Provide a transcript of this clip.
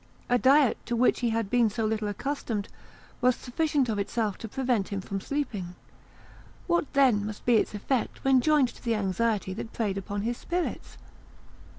A diet to which he had been so little accustomed was sufficient of itself to prevent him from sleeping; what then must be its effect when joined to the anxiety that preyed upon his spirits?